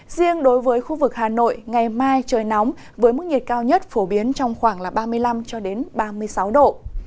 riêng đối với khu vực hà nội ngày mai trời nóng với mức nhiệt cao nhất phổ biến trong khoảng ba mươi năm ba mươi sáu độ